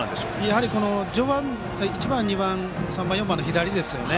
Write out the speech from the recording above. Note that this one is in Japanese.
やはり、１番から４番の左ですよね。